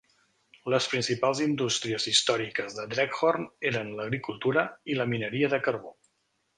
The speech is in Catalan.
Les principals indústries històriques de Dreghorn eren l'agricultura i la mineria de carbó.